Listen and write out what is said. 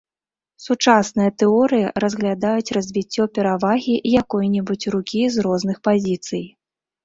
Сучасныя тэорыі разглядаюць развіццё перавагі якой-небудзь рукі з розных пазіцый.